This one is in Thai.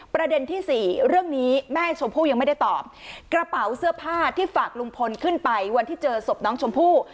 ประเด็นที่สี่เรื่องนี้แม่ชมพู่ยังไม่ได้ตอบกระเป๋าเสื้อผ้าที่ฝากลุงพลขึ้นไปวันที่เจอศพน้องชมพู่